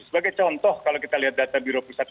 sebagai contoh kalau kita lihat data biro pusat